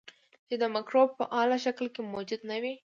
چې د مکروب په فعال شکل کې موجود نه وي.